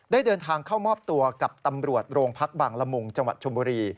เดินทางเข้ามอบตัวกับตำรวจโรงพักบางละมุงจังหวัดชมบุรี